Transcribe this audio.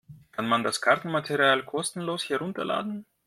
Kann man das Kartenmaterial kostenlos herunterladen?